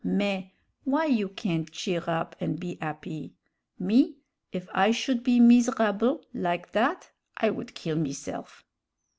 Mais, why you can't cheer up an' be 'appy? Me, if I should be miserabl' like that I would kill meself."